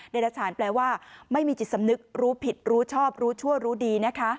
ตรฐานแปลว่าไม่มีจิตสำนึกรู้ผิดรู้ชอบรู้ชั่วรู้ดีนะคะ